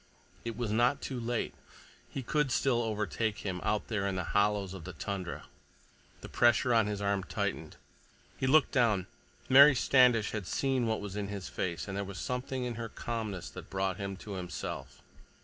It was not too late. He could still overtake him, out there in the hollows of the tundra— The pressure on his arm tightened. He looked down. Mary Standish had seen what was in his face, and there was something in her calmness that brought him to himself.